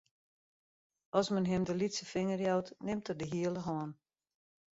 As men him de lytse finger jout, nimt er de hiele hân.